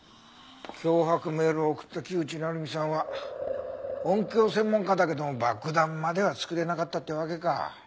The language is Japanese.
脅迫メールを送った木内鳴実さんは音響専門家だけど爆弾までは作れなかったってわけか。